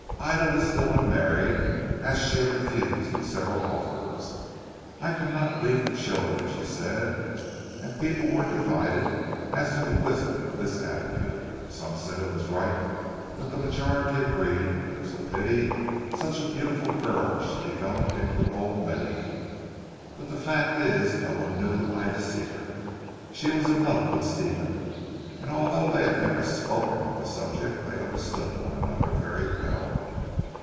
Ida was still unmarried, as she had refused several offers. "I cannot leave the children," she said, and people were divided as to the wisdom of this attitude. Some said it was right; but the majority agreed that it was a pity such a beautiful girl should develop into an old maid. But the fact is no one knew Ida's secret. She was in love with Stephen, and although they had never spoken on the subject they understood one another very well.